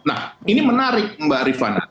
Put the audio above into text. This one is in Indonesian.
nah ini menarik mbak rifana